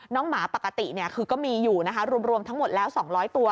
น้องหมาปกติเนี้ยคือก็มีอยู่นะคะรวมรวมทั้งหมดแล้วสองร้อยตัว